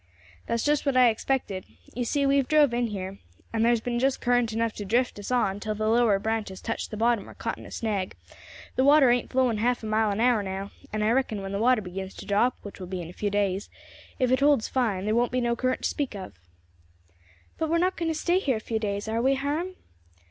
"That's just what I expected. You see we have drove in here, and there's been just current enough to drift us on till the lower branches touched the bottom or caught in a snag; the water ain't flowing half a mile an hour now, and I reckon when the water begins to drop, which will be in a few days, if it holds fine, there won't be no current to speak of." "But we are not going to stay here a few days, are we, Hiram?"